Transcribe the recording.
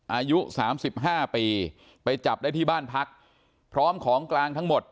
อายุสามสิบห้าปีไปจับได้ที่บ้านพักพร้อมของกลางทั้งหมด